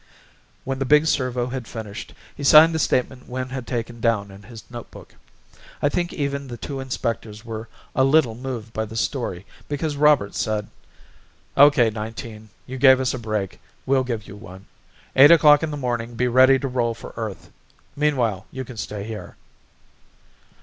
When the big servo had finished he signed the statement Wynn had taken down in his notebook. I think even the two inspectors were a little moved by the story because Roberts said: "OK, Nineteen, you gave us a break, we'll give you one. Eight o'clock in the morning be ready to roll for Earth. Meanwhile you can stay here."